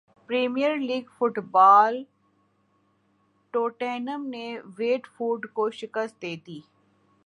premiere League football Tottenham نے Watford کو شکست دیدی